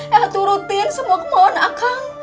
eha turutin semua kemohonan akang